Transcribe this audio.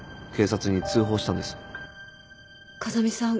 風見さん